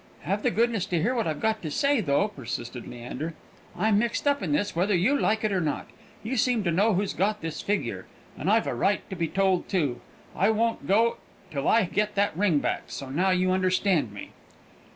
"Have the goodness to hear what I've got to say, though," persisted Leander. "I'm mixed up in this, whether you like it or not. You seem to know who's got this figure, and I've a right to be told too. I won't go till I get that ring back; so now you understand me!"